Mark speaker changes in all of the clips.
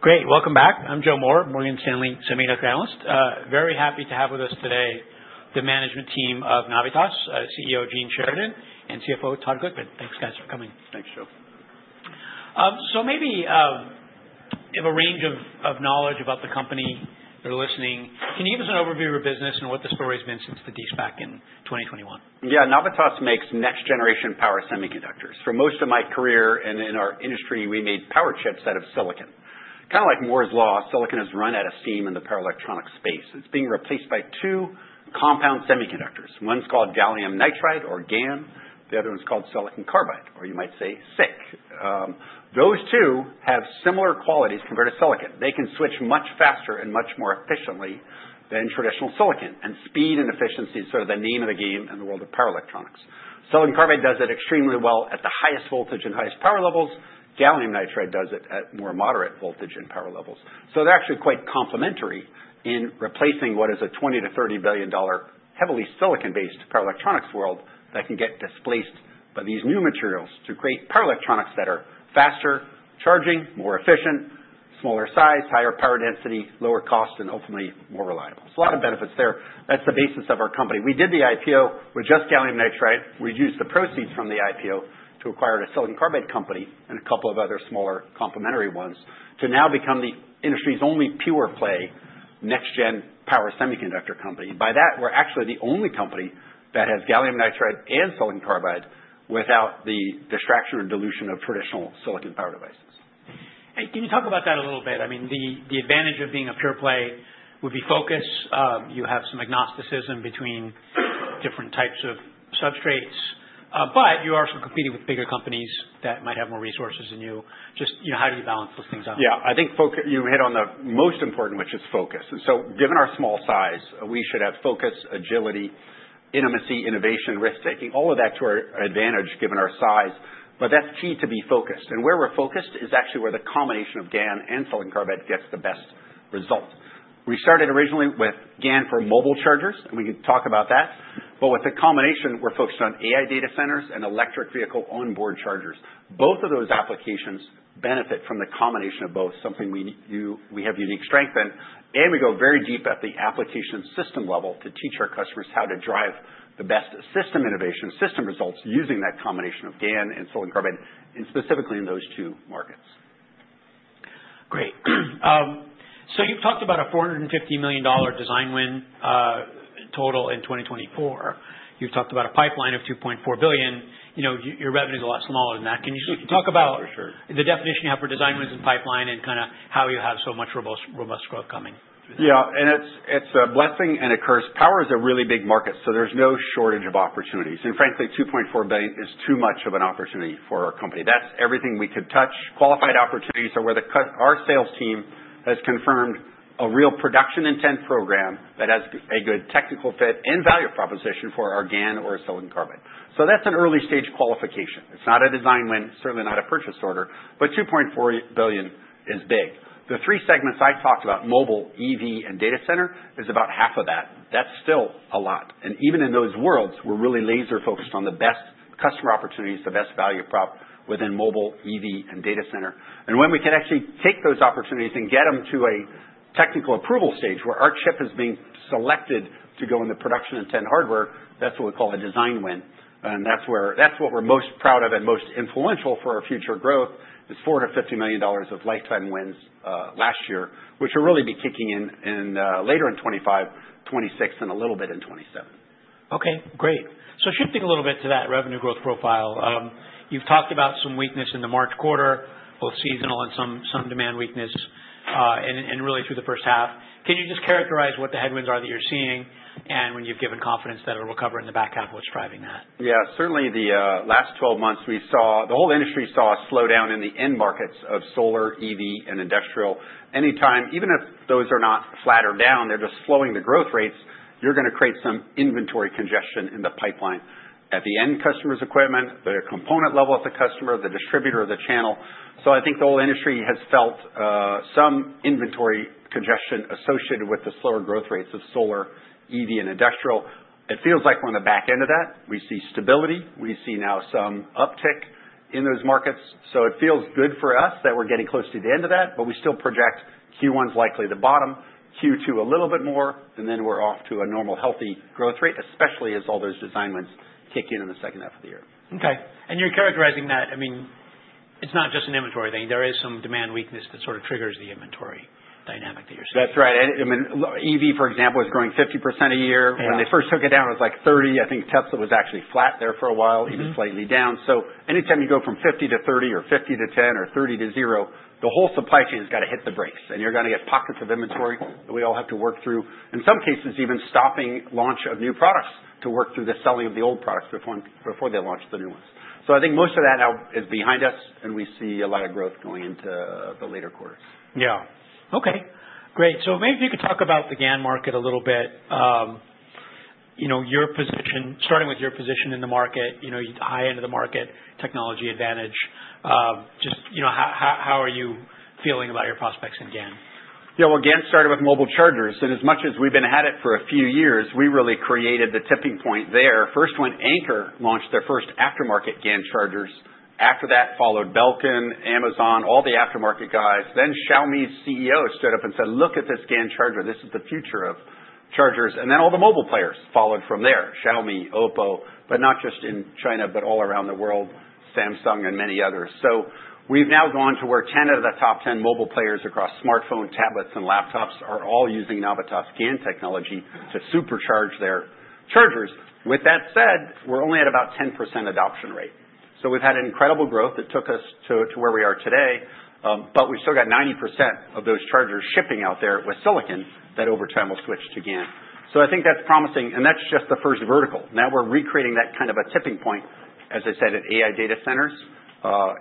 Speaker 1: Great. Welcome back. I'm Joe Moore, Morgan Stanley Semiconductor Analyst. Very happy to have with us today the management team of Navitas, CEO Gene Sheridan and CFO Todd Glickman. Thanks, guys, for coming.
Speaker 2: Thanks, Joe.
Speaker 1: Maybe you have a range of knowledge about the company. They're listening. Can you give us an overview of your business and what the story has been since the De-SPAC in 2021?
Speaker 2: Yeah. Navitas makes next-generation power semiconductors. For most of my career and in our industry, we made power chips out of silicon. Kind of like Moore's Law, silicon has run out of steam in the power electronic space. It's being replaced by two compound semiconductors. One's called gallium nitride, or GaN. The other one's called silicon carbide, or you might say SiC. Those two have similar qualities compared to silicon. They can switch much faster and much more efficiently than traditional silicon. Speed and efficiency is sort of the name of the game in the world of power electronics. Silicon carbide does it extremely well at the highest voltage and highest power levels. Gallium nitride does it at more moderate voltage and power levels. They're actually quite complementary in replacing what is a $20 billion-$30 billion heavily silicon-based power electronics world that can get displaced by these new materials to create power electronics that are faster charging, more efficient, smaller size, higher power density, lower cost, and ultimately more reliable. There's a lot of benefits there. That's the basis of our company. We did the IPO. We're just gallium nitride. We used the proceeds from the IPO to acquire a silicon carbide company and a couple of other smaller complementary ones to now become the industry's only pure-play next-gen power semiconductor company. By that, we're actually the only company that has gallium nitride and silicon carbide without the distraction or dilution of traditional silicon power devices.
Speaker 1: Can you talk about that a little bit? I mean, the advantage of being a pure-play would be focus. You have some agnosticism between different types of substrates. You are also competing with bigger companies that might have more resources than you. Just how do you balance those things out?
Speaker 2: Yeah. I think you hit on the most important, which is focus. Given our small size, we should have focus, agility, intimacy, innovation, risk-taking, all of that to our advantage given our size. That's key to be focused. Where we're focused is actually where the combination of GaN and silicon carbide gets the best result. We started originally with GaN for mobile chargers, and we can talk about that. With the combination, we're focused on AI data centers and electric vehicle onboard chargers. Both of those applications benefit from the combination of both, something we have unique strength in. We go very deep at the application system level to teach our customers how to drive the best system innovation, system results using that combination of GaN and silicon carbide, and specifically in those two markets.
Speaker 1: Great. You've talked about a $450 million design win total in 2024. You've talked about a pipeline of $2.4 billion. Your revenue is a lot smaller than that. Can you talk about the definition you have for design wins and pipeline and kind of how you have so much robust growth coming through that?
Speaker 2: Yeah. It's a blessing and a curse. Power is a really big market, so there's no shortage of opportunities. Frankly, $2.4 billion is too much of an opportunity for our company. That's everything we could touch. Qualified opportunities are where our sales team has confirmed a real production intent program that has a good technical fit and value proposition for our GaN or silicon carbide. That's an early-stage qualification. It's not a design win, certainly not a purchase order. $2.4 billion is big. The three segments I talked about, mobile, EV, and data center, is about half of that. That's still a lot. Even in those worlds, we're really laser-focused on the best customer opportunities, the best value prop within mobile, EV, and data center. When we can actually take those opportunities and get them to a technical approval stage where our chip is being selected to go in the production intent hardware, that's what we call a design win. That's what we're most proud of and most influential for our future growth, is $450 million of lifetime wins last year, which will really be kicking in later in 2025, 2026, and a little bit in 2027.
Speaker 1: Okay. Great. Shifting a little bit to that revenue growth profile, you've talked about some weakness in the March quarter, both seasonal and some demand weakness, and really through the first half. Can you just characterize what the headwinds are that you're seeing and when you've given confidence that it'll recover in the back half, what's driving that?
Speaker 2: Yeah. Certainly, the last 12 months, the whole industry saw a slowdown in the end markets of solar, EV, and industrial. Anytime, even if those are not flat or down, they're just slowing the growth rates, you're going to create some inventory congestion in the pipeline. At the end customer's equipment, the component level at the customer, the distributor, the channel. I think the whole industry has felt some inventory congestion associated with the slower growth rates of solar, EV, and industrial. It feels like we're on the back end of that. We see stability. We see now some uptick in those markets. It feels good for us that we're getting close to the end of that, but we still project Q1 is likely the bottom, Q2 a little bit more, and then we're off to a normal healthy growth rate, especially as all those design wins kick in in the second half of the year.
Speaker 1: Okay. You're characterizing that. I mean, it's not just an inventory thing. There is some demand weakness that sort of triggers the inventory dynamic that you're seeing.
Speaker 2: That's right. I mean, EV, for example, is growing 50% a year. When they first took it down, it was like 30. I think Tesla was actually flat there for a while, even slightly down. Anytime you go from 50% to 30% or 50% to 10% or 30% to 0%, the whole supply chain has got to hit the brakes. You're going to get pockets of inventory that we all have to work through, in some cases even stopping launch of new products to work through the selling of the old products before they launch the new ones. I think most of that now is behind us, and we see a lot of growth going into the later quarters.
Speaker 1: Yeah. Okay. Great. Maybe if you could talk about the GaN market a little bit, starting with your position in the market, high end of the market, technology advantage. Just how are you feeling about your prospects in GaN?
Speaker 2: Yeah. GaN started with mobile chargers. As much as we've been at it for a few years, we really created the tipping point there. First, when Anker launched their first aftermarket GaN chargers. After that followed Belkin, Amazon, all the aftermarket guys. Then Xiaomi's CEO stood up and said, "Look at this GaN charger. This is the future of chargers." All the mobile players followed from there, Xiaomi, Oppo, not just in China, but all around the world, Samsung, and many others. We have now gone to where 10 out of the top 10 mobile players across smartphone, tablets, and laptops are all using Navitas GaN technology to supercharge their chargers. With that said, we're only at about 10% adoption rate. We've had incredible growth. It took us to where we are today. We've still got 90% of those chargers shipping out there with silicon that over time will switch to GaN. I think that's promising. That's just the first vertical. Now we're recreating that kind of a tipping point, as I said, at AI data centers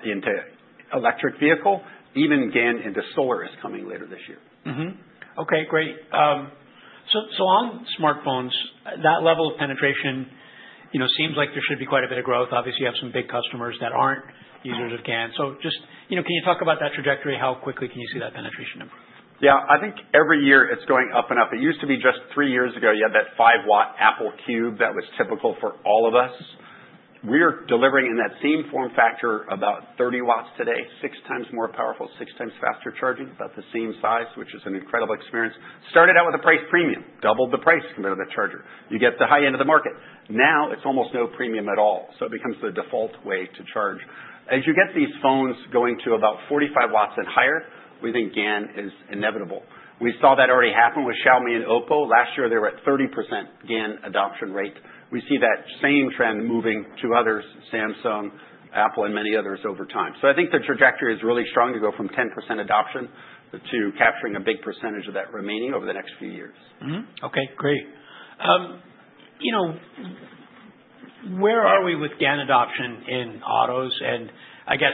Speaker 2: into electric vehicle. Even GaN into solar is coming later this year.
Speaker 1: Okay. Great. On smartphones, that level of penetration seems like there should be quite a bit of growth. Obviously, you have some big customers that are not users of GaN. Just can you talk about that trajectory? How quickly can you see that penetration improve?
Speaker 2: Yeah. I think every year it's going up and up. It used to be just three years ago, you had that 5-watt Apple Cube that was typical for all of us. We are delivering in that same form factor about 30 watts today, six times more powerful, six times faster charging, about the same size, which is an incredible experience. Started out with a price premium, doubled the price compared to the charger. You get the high end of the market. Now it's almost no premium at all. It becomes the default way to charge. As you get these phones going to about 45 watts and higher, we think GaN is inevitable. We saw that already happen with Xiaomi and Oppo. Last year, they were at 30% GaN adoption rate. We see that same trend moving to others, Samsung, Apple, and many others over time. I think the trajectory is really strong to go from 10% adoption to capturing a big percentage of that remaining over the next few years.
Speaker 1: Okay. Great. Where are we with GaN adoption in autos? I guess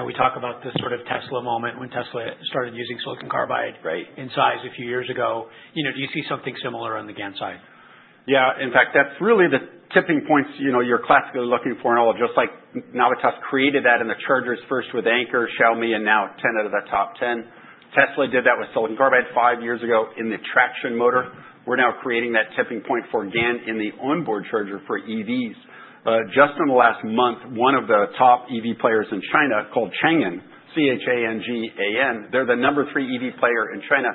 Speaker 1: we talk about the sort of Tesla moment when Tesla started using silicon carbide in size a few years ago. Do you see something similar on the GaN side?
Speaker 2: Yeah. In fact, that's really the tipping points you're classically looking for in all. Just like Navitas created that in the chargers first with Anker, Xiaomi, and now 10 out of the top 10. Tesla did that with silicon carbide five years ago in the traction motor. We're now creating that tipping point for GaN in the onboard charger for EVs. Just in the last month, one of the top EV players in China called Changan, C-H-A-N-G-A-N, they're the number three EV player in China,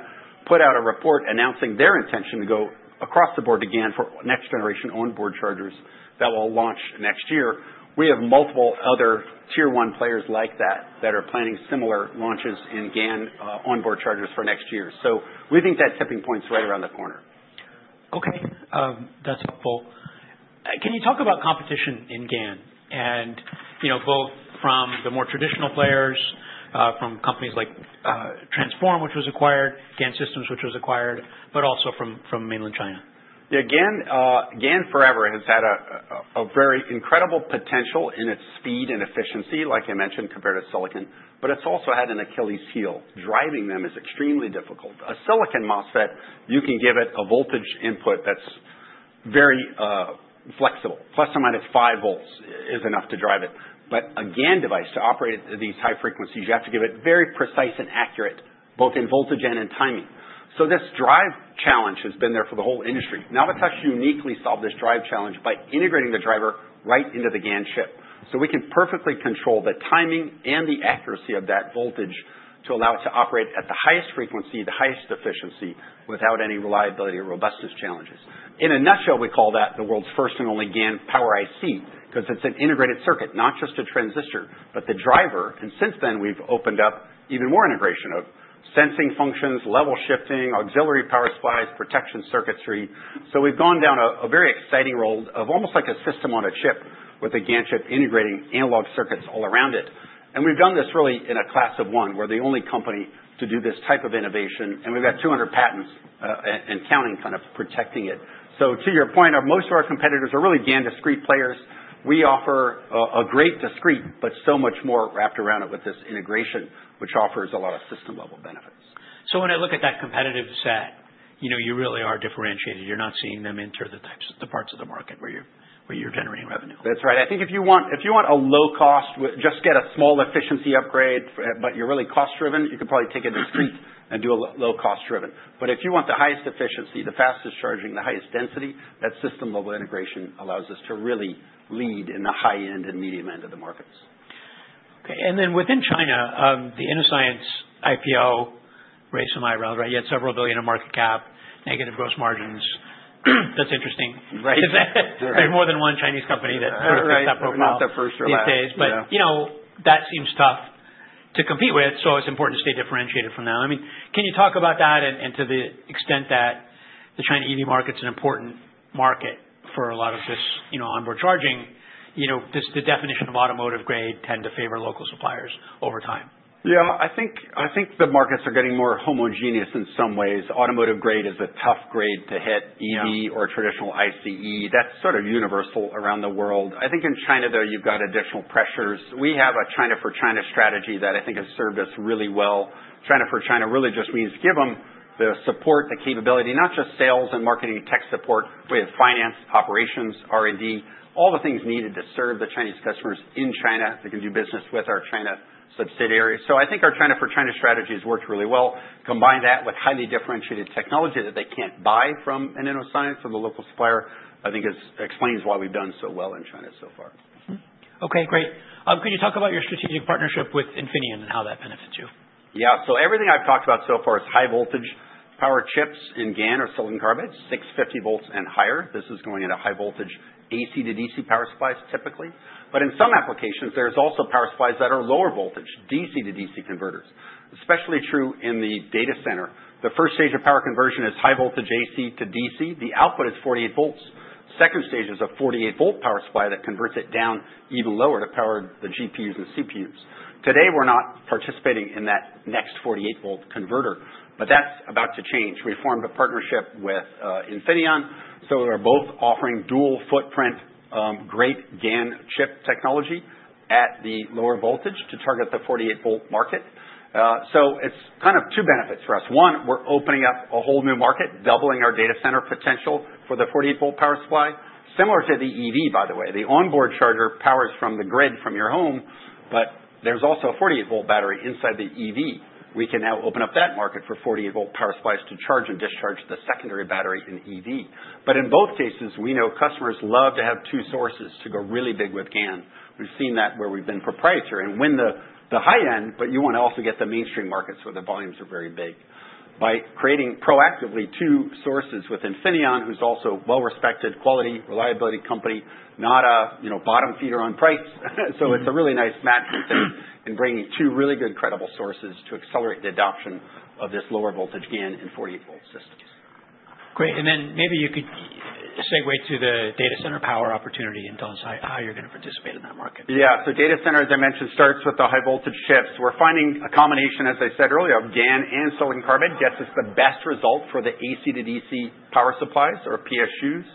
Speaker 2: put out a report announcing their intention to go across the board to GaN for next-generation onboard chargers that will launch next year. We have multiple other tier-one players like that that are planning similar launches in GaN onboard chargers for next year. We think that tipping point's right around the corner.
Speaker 1: Okay. That's helpful. Can you talk about competition in GaN, both from the more traditional players, from companies like Transphorm, which was acquired, GaN Systems, which was acquired, but also from mainland China?
Speaker 2: Yeah. GaN forever has had a very incredible potential in its speed and efficiency, like I mentioned, compared to silicon. It has also had an Achilles heel. Driving them is extremely difficult. A silicon MOSFET, you can give it a voltage input that's very flexible. Plus or minus 5 volts is enough to drive it. A GaN device to operate at these high frequencies, you have to give it very precise and accurate, both in voltage and in timing. This drive challenge has been there for the whole industry. Navitas uniquely solved this drive challenge by integrating the driver right into the GaN chip. We can perfectly control the timing and the accuracy of that voltage to allow it to operate at the highest frequency, the highest efficiency without any reliability or robustness challenges. In a nutshell, we call that the world's first and only GaN power IC because it's an integrated circuit, not just a transistor, but the driver. Since then, we've opened up even more integration of sensing functions, level shifting, auxiliary power supplies, protection circuitry. We've gone down a very exciting road of almost like a system on a chip with a GaN chip integrating analog circuits all around it. We've done this really in a class of one; we're the only company to do this type of innovation. We've got 200 patents and counting kind of protecting it. To your point, most of our competitors are really GaN discrete players. We offer a great discrete, but so much more wrapped around it with this integration, which offers a lot of system-level benefits.
Speaker 1: When I look at that competitive set, you really are differentiated. You're not seeing them enter the parts of the market where you're generating revenue.
Speaker 2: That's right. I think if you want a low cost, just get a small efficiency upgrade, but you're really cost-driven, you could probably take a discrete and do a low cost-driven. If you want the highest efficiency, the fastest charging, the highest density, that system-level integration allows us to really lead in the high end and medium end of the markets.
Speaker 1: Okay. And then within China, the InnoScience IPO raised some eyebrows, right? You had several billion in market cap, negative gross margins. That's interesting. There's more than one Chinese company that sort of fits that profile these days. That seems tough to compete with, so it's important to stay differentiated from them. I mean, can you talk about that and to the extent that the China EV market's an important market for a lot of this onboard charging, just the definition of automotive grade tend to favor local suppliers over time?
Speaker 2: Yeah. I think the markets are getting more homogeneous in some ways. Automotive grade is a tough grade to hit, EV or traditional ICE. That's sort of universal around the world. I think in China, though, you've got additional pressures. We have a China for China strategy that I think has served us really well. China for China really just means give them the support, the capability, not just sales and marketing tech support. We have finance, operations, R&D, all the things needed to serve the Chinese customers in China that can do business with our China subsidiaries. I think our China for China strategy has worked really well. Combine that with highly differentiated technology that they can't buy from an InnoScience or the local supplier, I think explains why we've done so well in China so far.
Speaker 1: Okay. Great. Could you talk about your strategic partnership with Infineon and how that benefits you?
Speaker 2: Yeah. Everything I've talked about so far is high voltage power chips in GaN or silicon carbide, 650 volts and higher. This is going into high voltage AC to DC power supplies typically. In some applications, there's also power supplies that are lower voltage, DC to DC converters. Especially true in the data center. The first stage of power conversion is high voltage AC to DC. The output is 48 volts. Second stage is a 48-volt power supply that converts it down even lower to power the GPUs and CPUs. Today, we're not participating in that next 48-volt converter, but that's about to change. We formed a partnership with Infineon. We're both offering dual footprint, great GaN chip technology at the lower voltage to target the 48-volt market. It's kind of two benefits for us. One, we're opening up a whole new market, doubling our data center potential for the 48-volt power supply. Similar to the EV, by the way, the onboard charger powers from the grid from your home, but there's also a 48-volt battery inside the EV. We can now open up that market for 48-volt power supplies to charge and discharge the secondary battery in EV. In both cases, we know customers love to have two sources to go really big with GaN. We've seen that where we've been proprietary and win the high end, but you want to also get the mainstream markets where the volumes are very big. By creating proactively two sources with Infineon, who's also a well-respected quality reliability company, not a bottom feeder on price. It's a really nice match in bringing two really good credible sources to accelerate the adoption of this lower voltage GaN in 48-volt systems.
Speaker 1: Great. Maybe you could segue to the data center power opportunity and tell us how you're going to participate in that market.
Speaker 2: Yeah. Data center, as I mentioned, starts with the high voltage chips. We're finding a combination, as I said earlier, of GaN and silicon carbide gets us the best result for the AC to DC power supplies or PSUs.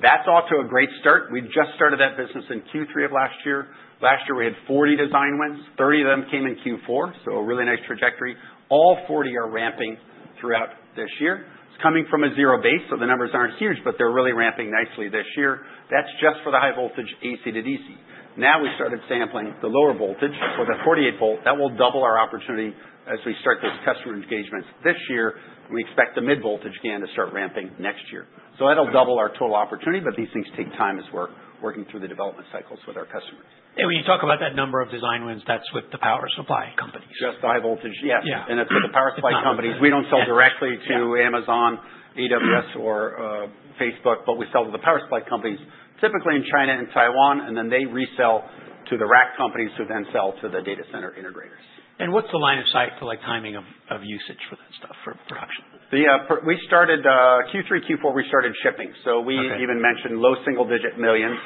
Speaker 2: That's off to a great start. We just started that business in Q3 of last year. Last year, we had 40 design wins. Thirty of them came in Q4, so a really nice trajectory. All 40 are ramping throughout this year. It's coming from a zero base, so the numbers aren't huge, but they're really ramping nicely this year. That's just for the high voltage AC to DC. Now we started sampling the lower voltage for the 48-volt. That will double our opportunity as we start those customer engagements this year. We expect the mid-voltage GaN to start ramping next year. That'll double our total opportunity, but these things take time as we're working through the development cycles with our customers.
Speaker 1: When you talk about that number of design wins, that's with the power supply companies.
Speaker 2: Just the high voltage, yes. It is with the power supply companies. We do not sell directly to Amazon, AWS, or Facebook, but we sell to the power supply companies, typically in China and Taiwan, and then they resell to the rack companies who then sell to the data center integrators.
Speaker 1: What's the line of sight for timing of usage for that stuff for production?
Speaker 2: We started Q3, Q4, we started shipping. We even mentioned low single-digit millions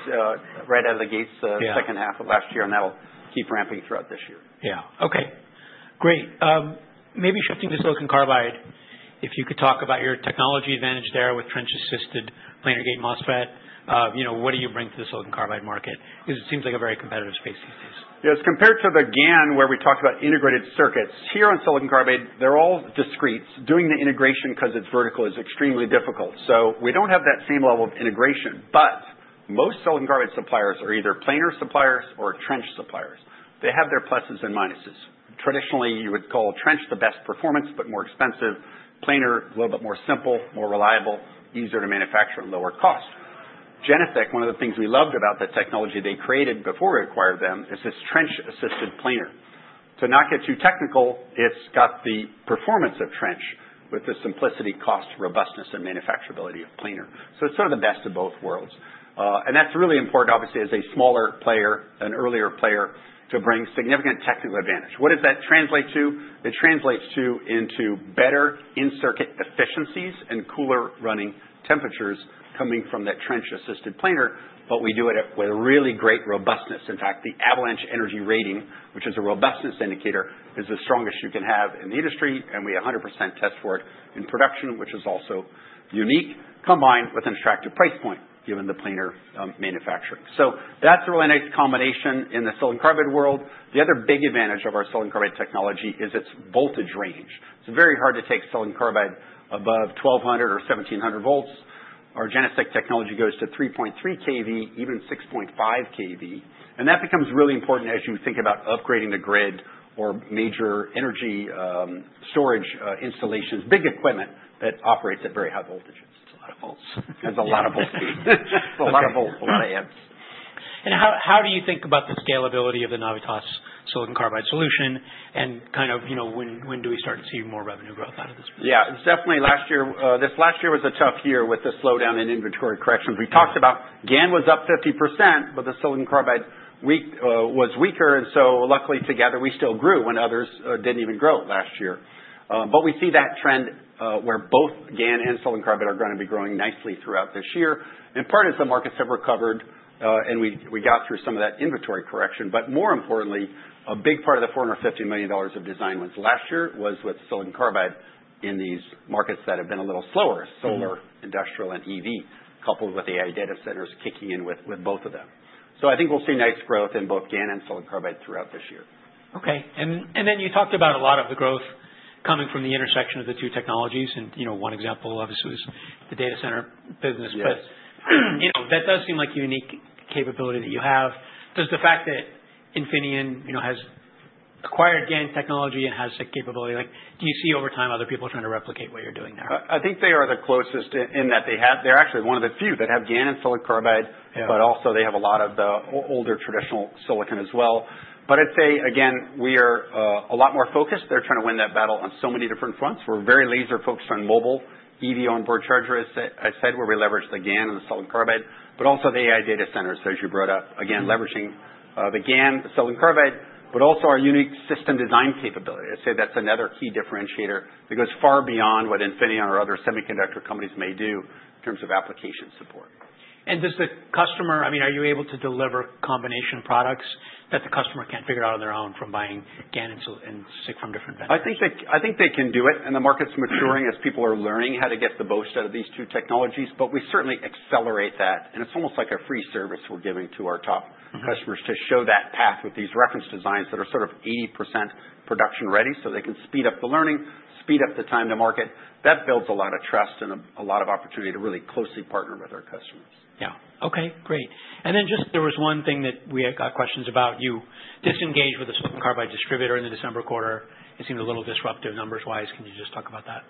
Speaker 2: right out of the gates the second half of last year, and that'll keep ramping throughout this year.
Speaker 1: Yeah. Okay. Great. Maybe shifting to silicon carbide, if you could talk about your technology advantage there with trench-assisted planar gate MOSFET, what do you bring to the silicon carbide market? Because it seems like a very competitive space these days.
Speaker 2: Yeah. As compared to the GaN where we talked about integrated circuits, here on silicon carbide, they're all discretes. Doing the integration because it's vertical is extremely difficult. We don't have that same level of integration. Most silicon carbide suppliers are either planar suppliers or trench suppliers. They have their pluses and minuses. Traditionally, you would call trench the best performance, but more expensive. Planar, a little bit more simple, more reliable, easier to manufacture at lower cost. GeneSiC, one of the things we loved about the technology they created before we acquired them, is this trench-assisted planar. To not get too technical, it's got the performance of trench with the simplicity, cost, robustness, and manufacturability of planar. It's sort of the best of both worlds. That's really important, obviously, as a smaller player, an earlier player, to bring significant technical advantage. What does that translate to? It translates to better in-circuit efficiencies and cooler running temperatures coming from that trench-assisted planar, but we do it with really great robustness. In fact, the Avalanche Energy Rating, which is a robustness indicator, is the strongest you can have in the industry, and we 100% test for it in production, which is also unique, combined with an attractive price point given the planar manufacturing. That is a really nice combination in the silicon carbide world. The other big advantage of our silicon carbide technology is its voltage range. It is very hard to take silicon carbide above 1,200 or 1,700 volts. Our GeneSiC technology goes to 3.3 kV, even 6.5 kV. That becomes really important as you think about upgrading the grid or major energy storage installations, big equipment that operates at very high voltages. It is a lot of volts. It's a lot of volts, a lot of amps.
Speaker 1: How do you think about the scalability of the Navitas silicon carbide solution and kind of when do we start to see more revenue growth out of this?
Speaker 2: Yeah. It's definitely last year. This last year was a tough year with the slowdown in inventory corrections. We talked about GaN was up 50%, but the silicon carbide was weaker. Luckily, together, we still grew when others did not even grow last year. We see that trend where both GaN and silicon carbide are going to be growing nicely throughout this year. In part, as the markets have recovered and we got through some of that inventory correction. More importantly, a big part of the $450 million of design wins last year was with silicon carbide in these markets that have been a little slower, solar, industrial, and EV, coupled with AI data centers kicking in with both of them. I think we will see nice growth in both GaN and silicon carbide throughout this year.
Speaker 1: Okay. You talked about a lot of the growth coming from the intersection of the two technologies. One example, obviously, was the data center business. That does seem like a unique capability that you have. Does the fact that Infineon has acquired GaN technology and has that capability, do you see over time other people trying to replicate what you're doing there?
Speaker 2: I think they are the closest in that they have. They're actually one of the few that have GaN and silicon carbide, but also they have a lot of the older traditional silicon as well. I'd say, again, we are a lot more focused. They're trying to win that battle on so many different fronts. We're very laser-focused on mobile EV onboard chargers, as I said, where we leverage the GaN and the silicon carbide, but also the AI data centers, as you brought up. Again, leveraging the GaN, the silicon carbide, but also our unique system design capability. I'd say that's another key differentiator that goes far beyond what Infineon or other semiconductor companies may do in terms of application support.
Speaker 1: Does the customer, I mean, are you able to deliver combination products that the customer can't figure out on their own from buying GaN and SiC from different vendors?
Speaker 2: I think they can do it. The market's maturing as people are learning how to get the most out of these two technologies. We certainly accelerate that. It's almost like a free service we're giving to our top customers to show that path with these reference designs that are sort of 80% production ready so they can speed up the learning, speed up the time to market. That builds a lot of trust and a lot of opportunity to really closely partner with our customers.
Speaker 1: Yeah. Okay. Great. There was one thing that we got questions about. You disengaged with a silicon carbide distributor in the December quarter. It seemed a little disruptive numbers-wise. Can you just talk about that?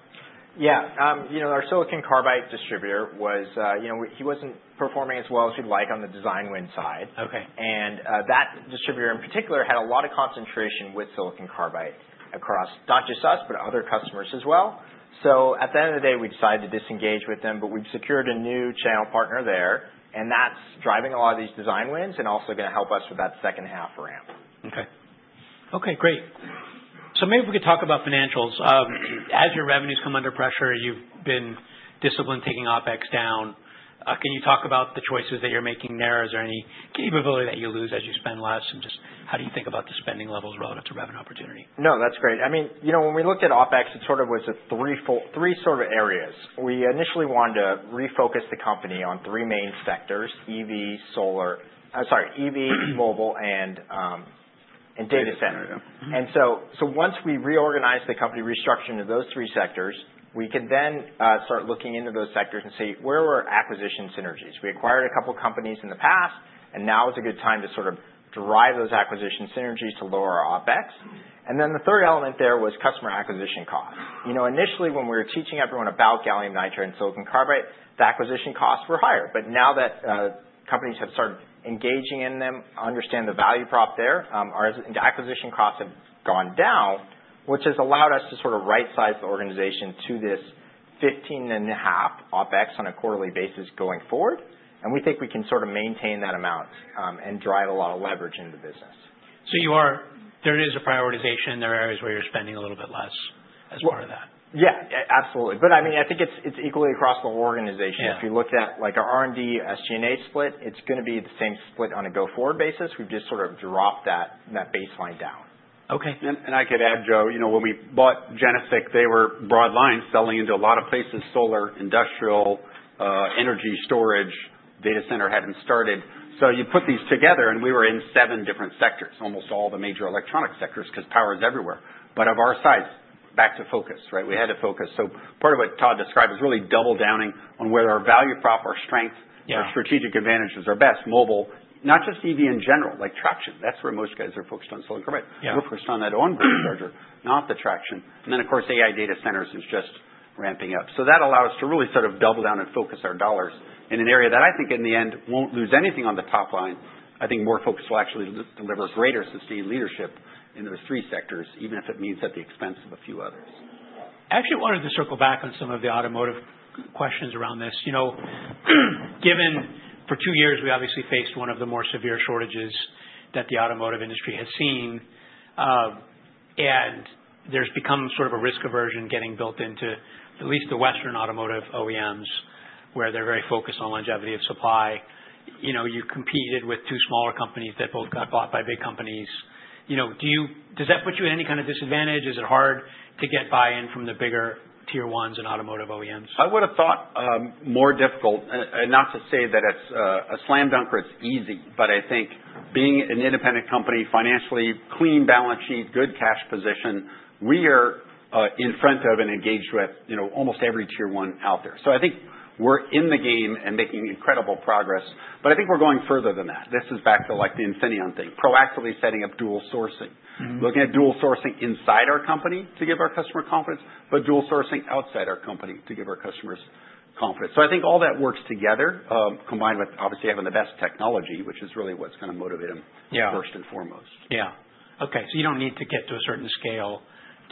Speaker 2: Yeah. Our silicon carbide distributor was he wasn't performing as well as we'd like on the design win side. That distributor in particular had a lot of concentration with silicon carbide across not just us, but other customers as well. At the end of the day, we decided to disengage with them, but we've secured a new channel partner there. That's driving a lot of these design wins and also going to help us with that second half ramp.
Speaker 1: Okay. Okay. Great. Maybe if we could talk about financials. As your revenues come under pressure, you've been disciplined taking OpEx down. Can you talk about the choices that you're making there? Is there any capability that you lose as you spend less? Just how do you think about the spending levels relative to revenue opportunity?
Speaker 2: No, that's great. I mean, when we looked at OpEx, it sort of was three sort of areas. We initially wanted to refocus the company on three main sectors: EV, solar, sorry, EV, mobile, and data center. Once we reorganized the company restructuring of those three sectors, we can then start looking into those sectors and see where were acquisition synergies. We acquired a couple of companies in the past, and now is a good time to sort of drive those acquisition synergies to lower our OpEx. The third element there was customer acquisition costs. Initially, when we were teaching everyone about gallium nitride and silicon carbide, the acquisition costs were higher. Now that companies have started engaging in them, understand the value prop there, our acquisition costs have gone down, which has allowed us to sort of right-size the organization to this $15.5 million OpEx on a quarterly basis going forward. We think we can sort of maintain that amount and drive a lot of leverage in the business.
Speaker 1: There is a prioritization. There are areas where you're spending a little bit less as part of that.
Speaker 3: Yeah. Absolutely. I mean, I think it's equally across the whole organization. If you look at our R&D SG&A split, it's going to be the same split on a go-forward basis. We've just sort of dropped that baseline down.
Speaker 1: Okay.
Speaker 2: I could add, Joe, when we bought GeneSiC, they were broad lines selling into a lot of places: solar, industrial, energy, storage, data center had not started. You put these together, and we were in seven different sectors, almost all the major electronic sectors because power is everywhere. Of our size, back to focus, right? We had to focus. Part of what Todd described is really double-downing on where our value prop, our strength, our strategic advantages are best: mobile, not just EV in general, like traction. That is where most guys are focused on silicon carbide. We are focused on that onboard charger, not the traction. Of course, AI data centers is just ramping up. That allowed us to really sort of double down and focus our dollars in an area that I think in the end will not lose anything on the top line. I think more focus will actually deliver greater sustained leadership in those three sectors, even if it means at the expense of a few others.
Speaker 1: Actually, I wanted to circle back on some of the automotive questions around this. Given for two years, we obviously faced one of the more severe shortages that the automotive industry has seen. There's become sort of a risk aversion getting built into at least the Western automotive OEMs where they're very focused on longevity of supply. You competed with two smaller companies that both got bought by big companies. Does that put you at any kind of disadvantage? Is it hard to get buy-in from the bigger tier ones and automotive OEMs?
Speaker 2: I would have thought more difficult. Not to say that it's a slam dunk or it's easy, but I think being an independent company, financially clean balance sheet, good cash position, we are in front of and engaged with almost every tier one out there. I think we're in the game and making incredible progress. I think we're going further than that. This is back to the Infineon thing, proactively setting up dual sourcing, looking at dual sourcing inside our company to give our customer confidence, but dual sourcing outside our company to give our customers confidence. I think all that works together, combined with obviously having the best technology, which is really what's going to motivate them first and foremost.
Speaker 1: Yeah. Okay. So you don't need to get to a certain scale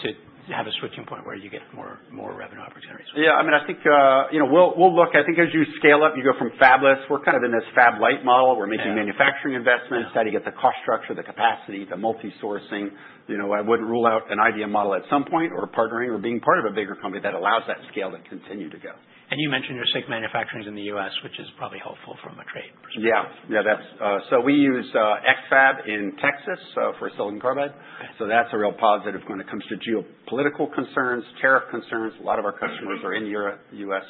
Speaker 1: to have a switching point where you get more revenue opportunities.
Speaker 2: Yeah. I mean, I think we'll look. I think as you scale up, you go from fabless. We're kind of in this fab light model. We're making manufacturing investments, how do you get the cost structure, the capacity, the multi-sourcing. I wouldn't rule out an IBM model at some point or partnering or being part of a bigger company that allows that scale to continue to go.
Speaker 1: You mentioned your SiC manufacturing is in the US, which is probably helpful from a trade perspective.
Speaker 2: Yeah. Yeah. We use X-FAB in Texas for silicon carbide. That is a real positive when it comes to geopolitical concerns, tariff concerns. A lot of our customers are in Europe, US.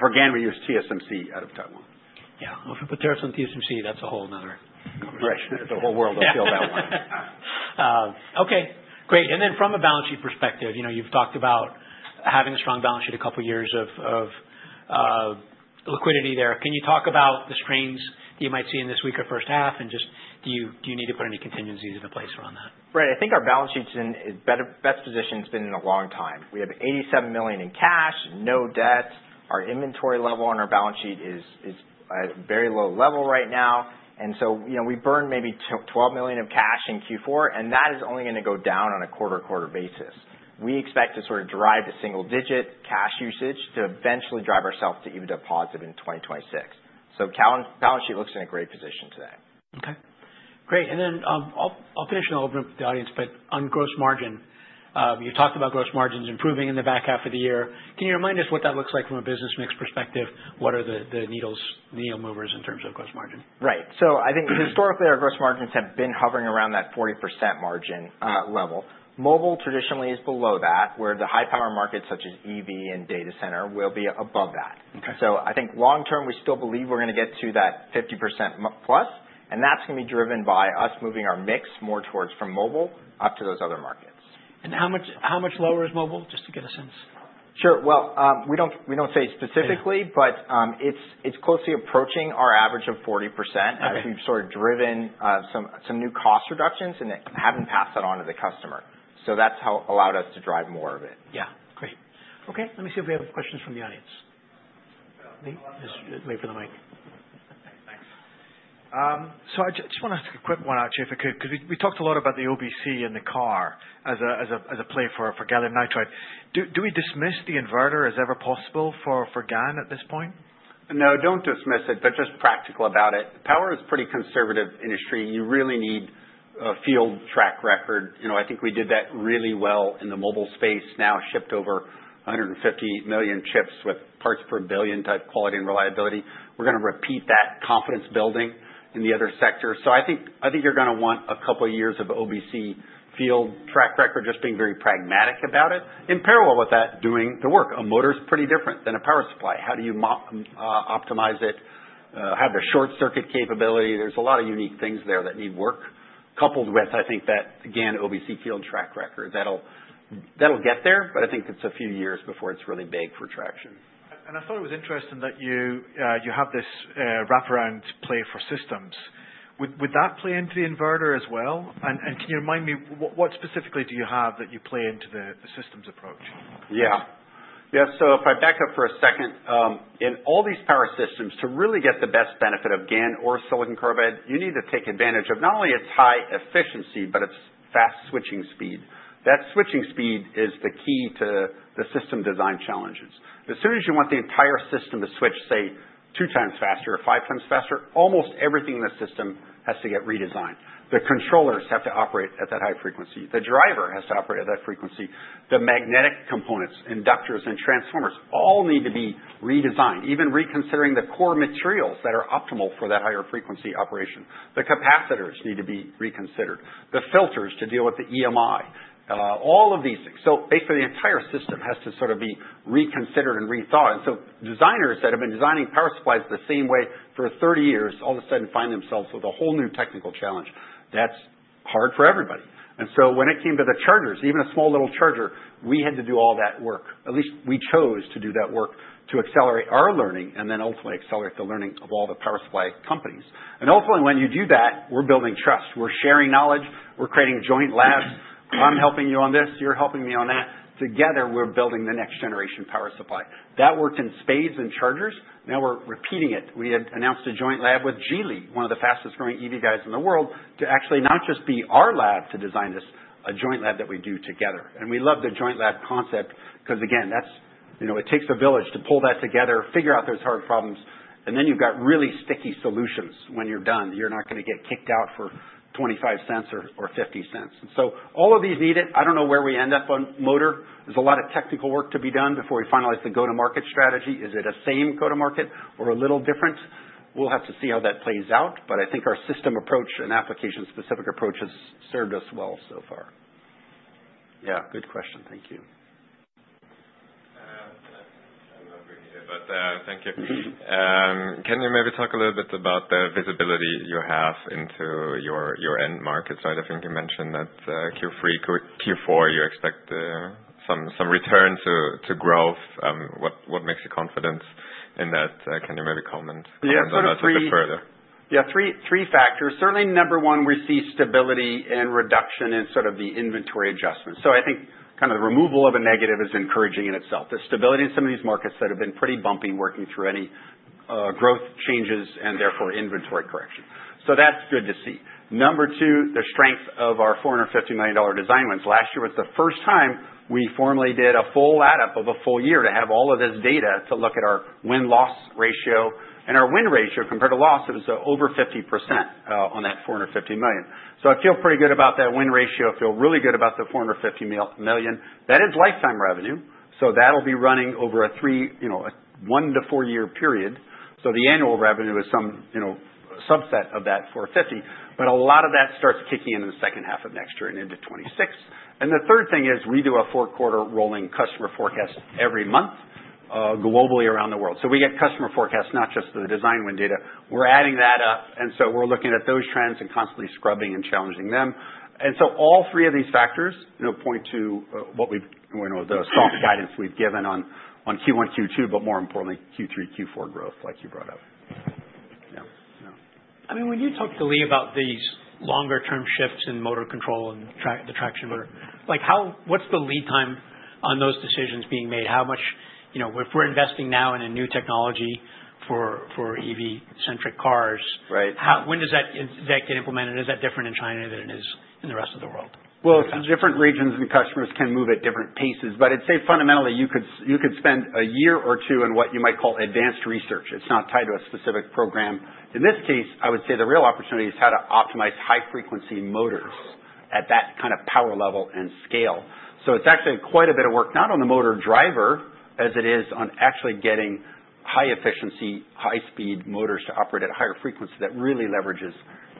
Speaker 2: For GaN, we use TSMC out of Taiwan.
Speaker 1: Yeah. If we put tariffs on TSMC, that's a whole ano conversation.
Speaker 2: Right. The whole world will feel that way.
Speaker 1: Okay. Great. From a balance sheet perspective, you've talked about having a strong balance sheet, a couple of years of liquidity there. Can you talk about the strains that you might see in this week or first half? Just do you need to put any contingencies into place around that?
Speaker 2: Right. I think our balance sheet's in its best position. It's been in a long time. We have $87 million in cash, no debt. Our inventory level on our balance sheet is at a very low level right now. We burned maybe $12 million of cash in Q4, and that is only going to go down on a quarter-to-quarter basis. We expect to sort of drive the single-digit cash usage to eventually drive ourselves to even a positive in 2026. Balance sheet looks in a great position today.
Speaker 1: Okay. Great. I'll finish and I'll open up the audience, but on gross margin, you talked about gross margins improving in the back half of the year. Can you remind us what that looks like from a business mix perspective? What are the needle movers in terms of gross margin?
Speaker 2: Right. I think historically our gross margins have been hovering around that 40% margin level. Mobile traditionally is below that, where the high-power markets such as EV and data center will be above that. I think long-term we still believe we're going to get to that 50% plus. That's going to be driven by us moving our mix more towards from mobile up to those other markets.
Speaker 1: How much lower is mobile, just to get a sense?
Speaker 2: Sure. We don't say specifically, but it's closely approaching our average of 40% as we've sort of driven some new cost reductions and haven't passed that on to the customer. That's how it allowed us to drive more of it.
Speaker 1: Yeah. Great. Okay. Let me see if we have questions from the audience. Wait for the mic.
Speaker 4: Thanks. I just want to ask a quick one, actually, if I could, because we talked a lot about the OBC and the car as a play for gallium nitride. Do we dismiss the inverter as ever possible for GaN at this point?
Speaker 2: No, do not dismiss it, but just practical about it. Power is a pretty conservative industry. You really need a field track record. I think we did that really well in the mobile space now, shipped over 150 million chips with parts per billion type quality and reliability. We are going to repeat that confidence building in the other sector. I think you are going to want a couple of years of OBC field track record, just being very pragmatic about it, in parallel with that doing the work. A motor is pretty different than a power supply. How do you optimize it? Have the short circuit capability. There is a lot of unique things there that need work, coupled with, I think, that GaN OBC field track record. That will get there, but I think it is a few years before it is really big for traction.
Speaker 4: I thought it was interesting that you have this wraparound play for systems. Would that play into the inverter as well? Can you remind me, what specifically do you have that you play into the systems approach?
Speaker 2: Yeah. Yeah. If I back up for a second, in all these power systems, to really get the best benefit of GaN or silicon carbide, you need to take advantage of not only its high efficiency, but its fast switching speed. That switching speed is the key to the system design challenges. As soon as you want the entire system to switch, say, two times faster or five times faster, almost everything in the system has to get redesigned. The controllers have to operate at that high frequency. The driver has to operate at that frequency. The magnetic components, inductors, and transformers all need to be redesigned, even reconsidering the core materials that are optimal for that higher frequency operation. The capacitors need to be reconsidered. The filters to deal with the EMI, all of these things. Basically, the entire system has to sort of be reconsidered and rethought. Designers that have been designing power supplies the same way for 30 years all of a sudden find themselves with a whole new technical challenge. That's hard for everybody. When it came to the chargers, even a small little charger, we had to do all that work. At least we chose to do that work to accelerate our learning and then ultimately accelerate the learning of all the power supply companies. Ultimately, when you do that, we're building trust. We're sharing knowledge. We're creating joint labs. I'm helping you on this. You're helping me on that. Together, we're building the next generation power supply. That worked in spades in chargers. Now we're repeating it. We had announced a joint lab with Geely, one of the fastest growing EV guys in the world, to actually not just be our lab to design this, a joint lab that we do together. We love the joint lab concept because, again, it takes a village to pull that together, figure out those hard problems. You have really sticky solutions when you're done. You're not going to get kicked out for $0.25 or $0.50. All of these need it. I don't know where we end up on motor. There's a lot of technical work to be done before we finalize the go-to-market strategy. Is it a same go-to-market or a little different? We'll have to see how that plays out. I think our system approach and application-specific approach has served us well so far. Yeah. Good question. Thank you.
Speaker 4: I'm not bringing it, but thank you. Can you maybe talk a little bit about the visibility you have into your end market side? I think you mentioned that Q4, you expect some return to growth. What makes you confident in that? Can you maybe comment on that a bit further?
Speaker 2: Yeah. Three factors. Certainly, number one, we see stability and reduction in sort of the inventory adjustments. I think kind of the removal of a negative is encouraging in itself. The stability in some of these markets that have been pretty bumpy working through any growth changes and therefore inventory correction. That is good to see. Number two, the strength of our $450 million design wins. Last year was the first time we formally did a full add-up of a full year to have all of this data to look at our win-loss ratio. Our win ratio compared to loss, it was over 50% on that $450 million. I feel pretty good about that win ratio. I feel really good about the $450 million. That is lifetime revenue. That will be running over a three- to four-year period. The annual revenue is some subset of that $450 million. A lot of that starts kicking in in the second half of next year and into 2026. The third thing is we do a four-quarter rolling customer forecast every month globally around the world. We get customer forecasts, not just the design win data. We're adding that up. We are looking at those trends and constantly scrubbing and challenging them. All three of these factors point to what we've, the soft guidance we've given on Q1, Q2, but more importantly, Q3, Q4 growth like you brought up. Yeah. Yeah.
Speaker 1: I mean, when you talked to Lee about these longer-term shifts in motor control and the traction motor, what's the lead time on those decisions being made? If we're investing now in a new technology for EV-centric cars, when does that get implemented? Is that different in China than it is in the rest of the world?
Speaker 2: Different regions and customers can move at different paces. I'd say fundamentally, you could spend a year or two in what you might call advanced research. It's not tied to a specific program. In this case, I would say the real opportunity is how to optimize high-frequency motors at that kind of power level and scale. It's actually quite a bit of work, not on the motor driver as it is on actually getting high-efficiency, high-speed motors to operate at higher frequency that really leverages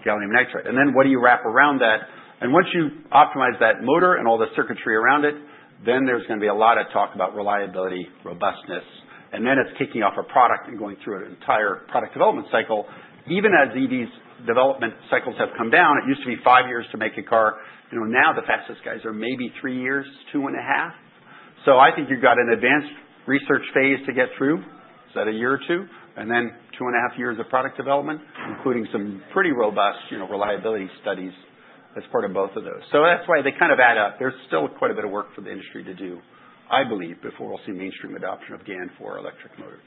Speaker 2: gallium nitride. What do you wrap around that? Once you optimize that motor and all the circuitry around it, there's going to be a lot of talk about reliability, robustness. It's kicking off a product and going through an entire product development cycle. Even as EV's development cycles have come down, it used to be five years to make a car. Now the fastest guys are maybe three years, two and a half. I think you've got an advanced research phase to get through. Is that a year or two? Then two and a half years of product development, including some pretty robust reliability studies as part of both of those. That's why they kind of add up. There's still quite a bit of work for the industry to do, I believe, before we'll see mainstream adoption of GaN for electric motors.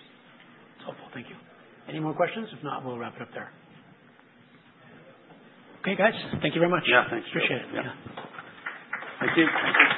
Speaker 1: That's helpful. Thank you. Any more questions? If not, we'll wrap it up there. Okay, guys. Thank you very much.
Speaker 2: Yeah. Thanks.
Speaker 1: Appreciate it. Yeah.
Speaker 2: Thank you. Thanks.